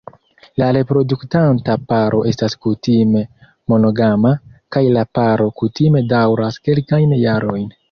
La reproduktanta paro estas kutime monogama, kaj la paro kutime daŭras kelkajn jarojn.